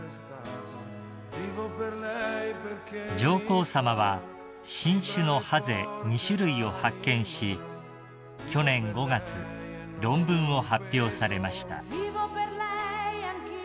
［上皇さまは新種のハゼ２種類を発見し去年５月論文を発表されました］